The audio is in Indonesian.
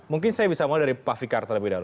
mungkin saya bisa mulai dari pak fikar terlebih dahulu